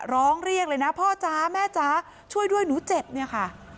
ร้องเรียกเลยนะพ่อจ๊ะแม่จ๊ะช่วยด้วยหนูเจ็บเนี่ยค่ะ